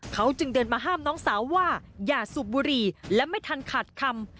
เขาจึงเดินมาห้ามน้องสาวว่าอย่าสูบบุหรี่และไม่ทันขาดคำ